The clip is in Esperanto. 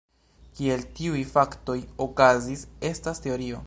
Kiel tiuj faktoj okazis, estas teorio.